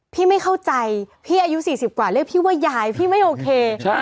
ไม่เข้าใจพี่อายุ๔๐กว่าเรียกพี่ว่ายายพี่ไม่โอเค